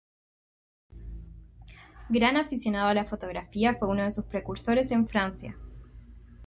Gran aficionado a la fotografía, fue uno de sus precursores en Francia.